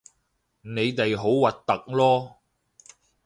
你哋好核突囉